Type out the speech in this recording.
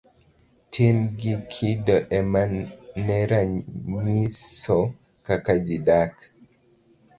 Tim gi kido emane ranyiso kaka ji dak.